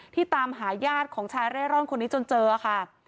ตามหาญาติของชายเร่ร่อนคนนี้จนเจอค่ะ